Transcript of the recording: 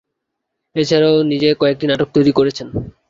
এছাড়াও নিজে কয়েকটি নাটক তৈরি করেছেন।